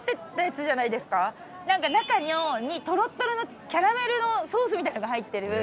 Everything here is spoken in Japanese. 中にとろっとろのキャラメルのソースみたいのが入ってる。